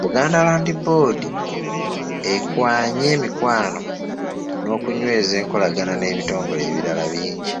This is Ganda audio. Buganda Land Board ekwanye emikwano n’okunyweza enkolagana n'ebitongole ebirala bingi.